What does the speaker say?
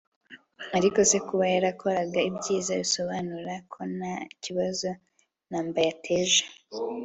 ariko se kuba yarakoraga ibyiza bisobanura ko nta kibazo na mba yateje